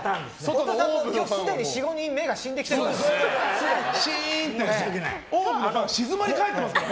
太田さん、今日すでに４５人目が死んできてるからね。